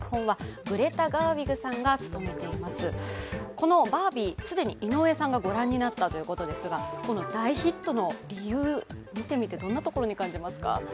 この「バービー」、既に井上さんがご覧になったということですが、大ヒットの理由、見てみて、どんなところに感じますか？